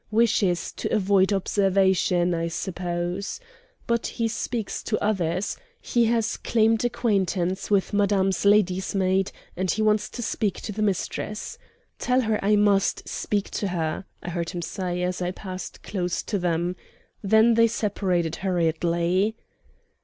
Wishes to avoid observation, I suppose. "But he speaks to others. He has claimed acquaintance with madame's lady's maid, and he wants to speak to the mistress. 'Tell her I must speak to her,' I heard him say, as I passed close to them. Then they separated hurriedly.